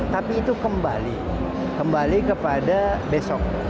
tapi itu kembali kembali kepada besok